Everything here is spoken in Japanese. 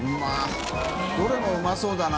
Δどれもうまそうだな。